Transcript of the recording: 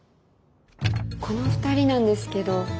この２人なんですけど。